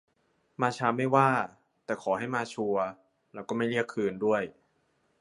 ม้าช้าไม่ว่า แต่ขอให้มาชัวร์ แล้วก็ไม่เรียกคืนด้วย